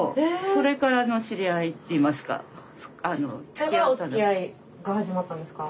それからおつきあいが始まったんですか？